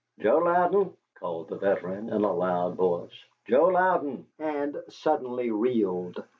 "Joe Louden!" called the veteran, in a loud voice. "Joe Louden!" and suddenly reeled.